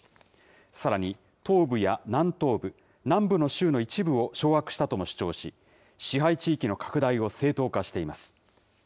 さらに東部や南東部、南部の州の一部を掌握したとも主張し、支配地域の拡大を正当化しています。